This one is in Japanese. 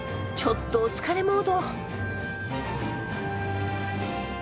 ちょっとお疲れモード。